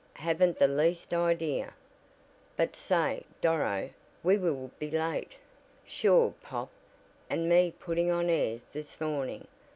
"Haven't the least idea. But say, Doro, we will be late, sure pop, and me putting on airs this morning.